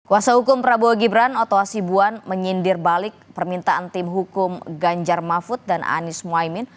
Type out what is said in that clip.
kuasa hukum prabowo gibran oto asibuan menyindir balik permintaan tim hukum ganjar mahfud dan anies mohaimin